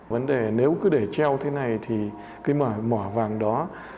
vấn đề nếu cứ để treo thế này thì cái mỏ vàng đó